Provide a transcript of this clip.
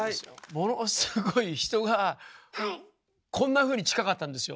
ものすごい人がこんなふうに近かったんですよ。